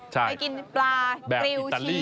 ใช่ปลากริลชีส